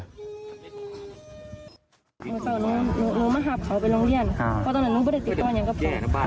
หนูมาหาเขาไปโรงเรียนเพราะตอนนั้นหนูไม่ได้ติดต้นอย่างกับเขา